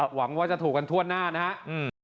หวังว่าจะถูกกันทั่วหน้านะครับ